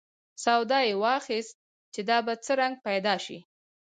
سودا یې واخیست چې دا به څه رنګ پیدا شي.